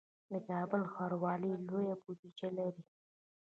د کابل ښاروالي لویه بودیجه لري